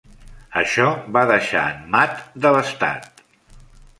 Això va deixar en Matt devastat.